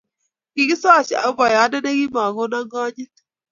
kikisosie ak boyonde ne kimakonon konyit